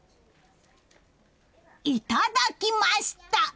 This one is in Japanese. いただきました！